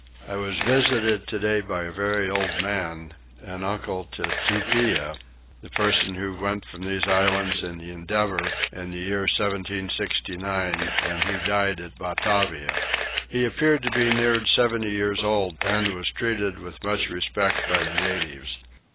I was visited today by a very old man, an uncle to Tupia, the person who went from these islands in the Endeavour in the year 1769, and who died at Batavia. He appeared to be near 70 years old and was treated with much respect by the natives.